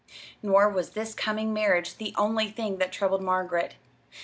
Nor was this coming marriage the only thing that troubled Margaret.